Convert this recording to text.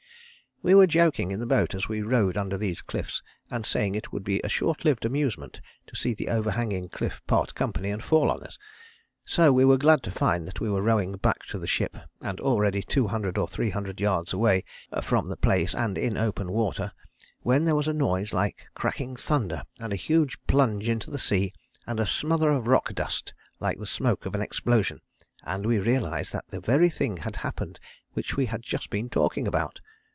"We were joking in the boat as we rowed under these cliffs and saying it would be a short lived amusement to see the overhanging cliff part company and fall on us. So we were glad to find that we were rowing back to the ship and already 200 or 300 yards away from the place and in open water when there was a noise like crackling thunder and a huge plunge into the sea and a smother of rock dust like the smoke of an explosion, and we realized that the very thing had happened which we had just been talking about.